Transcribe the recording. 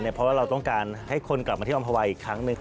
เพราะว่าเราต้องการให้คนกลับมาที่อำภาวายอีกครั้งหนึ่ง